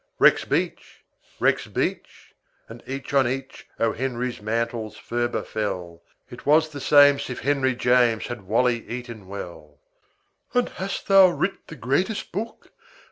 Rexbeach! rexbeach! and each on each O. Henry's mantles ferber fell. It was the same'sif henryjames Had wally eaton well. "And hast thou writ the greatest book?